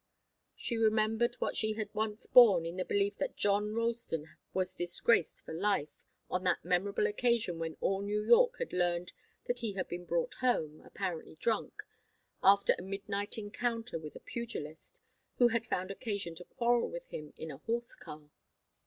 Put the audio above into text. She remembered what she had once borne, in the belief that John Ralston was disgraced for life on that memorable occasion when all New York had learned that he had been brought home, apparently drunk, after a midnight encounter with a pugilist, who had found occasion to quarrel with him in a horse car.